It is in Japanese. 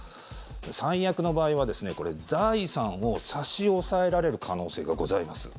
最悪の場合は財産を差し押さえられる可能性がございます。